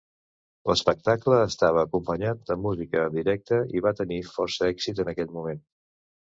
L'espectacle estava acompanyat de música en directe i va tenir força èxit en aquell moment.